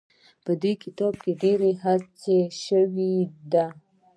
په دې کتاب کې ډېره هڅه شوې ده.